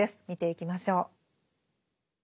見ていきましょう。